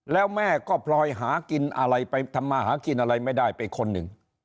แล้วแม่ก็ปล่อยทำมาหากินอะไรไม่ได้ไปคนหนึ่ง